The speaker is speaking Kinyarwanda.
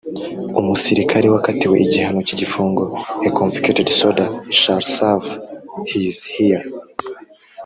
umusirikare wakatiwe igihano cy igifungo a convicted soldier shall serve his her